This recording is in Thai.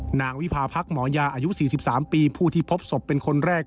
นางวิพาพักหมอยาอายุ๔๓ปีผู้ที่พบศพเป็นคนแรก